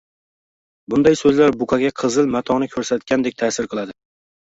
Bunday so‘zlar buqaga qizil matoni ko‘rsatgandek ta’sir qiladi.